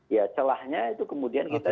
ya celahnya itu kemudian kita